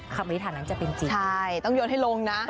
คำทฤษฐานนั้นจะเป็นจริงนะครับใช่ต้องโยนให้ลงนะ